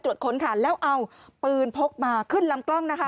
โดนตรวจค้นแล้วเอาปืนพกมาขึ้นลำกล้อง